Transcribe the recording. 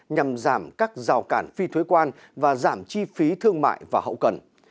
nhằm giảm các rào cản phi thuế quan và giảm chi phí thương mại và hậu cần